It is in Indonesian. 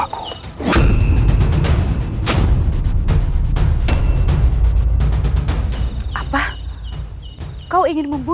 aku akan menangkapmu